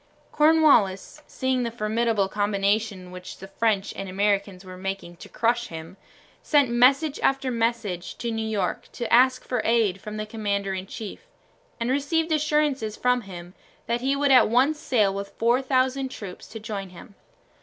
Cornwallis, seeing the formidable combination which the French and Americans were making to crush him, sent message after message to New York to ask for aid from the commander in chief, and received assurances from him that he would at once sail with 4000 troops to join him.